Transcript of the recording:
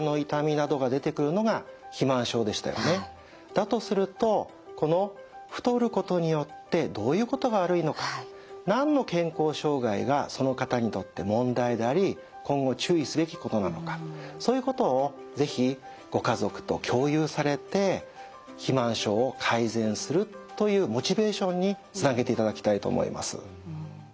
だとするとこの太ることによってどういうことが悪いのか何の健康障害がその方にとって問題であり今後注意すべきことなのかそういうことを是非ご家族と共有されて肥満症を改善するというモチベーションにつなげていただきたいと思います。